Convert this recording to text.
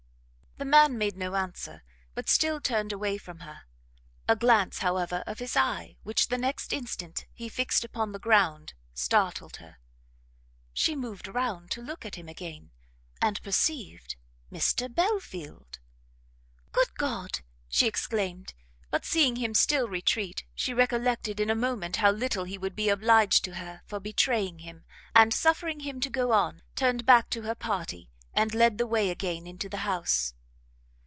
The man made no answer, but still turned away from her; a glance, however, of his eye, which the next instant he fixed upon the ground, startled her; she moved round to look at him again, and perceived Mr Belfield! "Good God!" she exclaimed; but seeing him still retreat, she recollected in a moment how little he would be obliged to her for betraying him, and suffering him to go on, turned back to her party, and led the way again into the house.